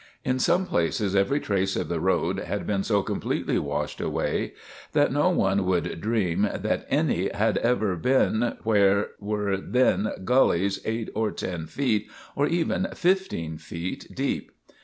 In some places every trace of the road had been so completely washed away that no one would dream that any had ever been where were then gullies eight or ten feet or even fifteen feet deep.